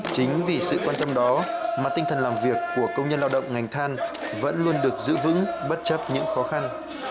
chính vì sự quan tâm đó mà tinh thần làm việc của công nhân lao động ngành than vẫn luôn được giữ vững bất chấp những khó khăn